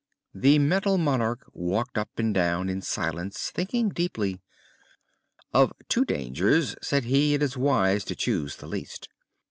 The Metal Monarch walked up and down in silence, thinking deeply. "Of two dangers," said he, "it is wise to choose the least.